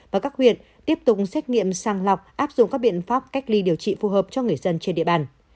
và các huyện tiếp tục xét nghiệm sàng lọc áp dụng các biện pháp cách ly điều trị phù hợp cho người dân trên địa bàn